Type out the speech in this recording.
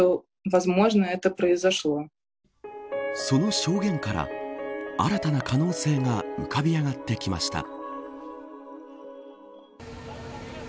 その証言から新たな可能性が浮かび上がってきました。